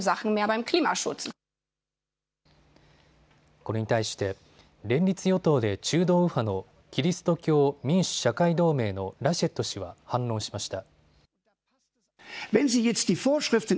これに対して連立与党で中道右派のキリスト教民主・社会同盟のラシェット氏は反論しました。